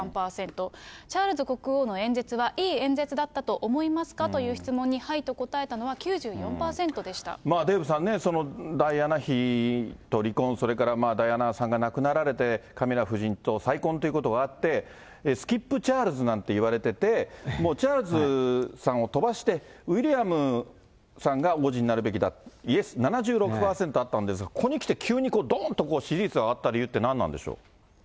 チャールズ国王の演説は、いい演説だったと思いますかという質問にはいと答えたのは９４％デーブさんね、ダイアナ妃と離婚、それからダイアナさんが亡くなられて、カミラ夫人と再婚ということがありまして、スキップチャールズなんて言われてて、もうチャールズさんを飛ばして、ウィリアムさんが王子になるべきだ、イエス、７６％あったんですが、ここにきて急に、どーんと支持率が上がった理由って、何なんでしょう。